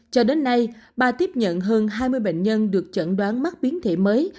cho đến nay ba tiếp nhận hơn hai mươi bệnh nhân được chẩn đoán mắc biến thể mới